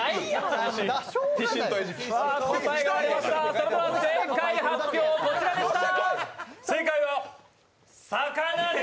それでは正解発表、こちらでした。